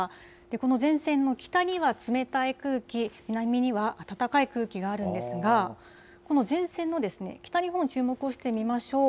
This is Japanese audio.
この前線の北には冷たい空気、南にはあたたかい空気があるんですが、この前線の北日本、注目をしてみましょう。